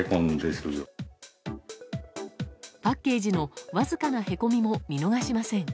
パッケージのわずかなへこみも見逃しません。